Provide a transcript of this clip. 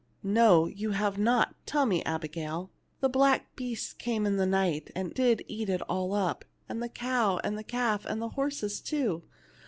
"No, you have not. Tell me, Abigail." "The black beast came in the night and did eat it all up, and the cow, and calf, and the horses, too."